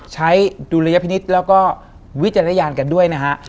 ดุลยพินิษฐ์แล้วก็วิจารณญาณกันด้วยนะฮะ